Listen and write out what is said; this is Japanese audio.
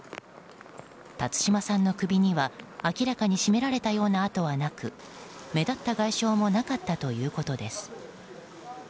辰島さんの首には、明らかに絞められたような痕はなく目立った外傷もなかったということです。